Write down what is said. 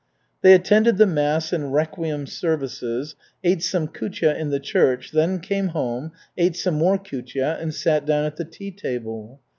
They attended the mass and requiem services, ate some kutya in the church, then came home, ate some more kutya and sat down at the tea table.